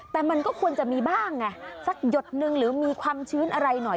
แต่มันก็ควรจะมีบ้างไงสักหยดนึงหรือมีความชื้นอะไรหน่อย